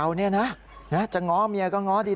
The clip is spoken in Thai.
ถ้าบีบคล่อจะบีบยังไง